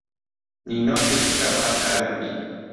نینۆکت بکە با خاوێن بی